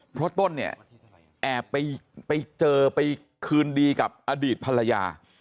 เพราะต้นเนี่ยแอบไปเจอไปคืนดีกับอดีตภรรยา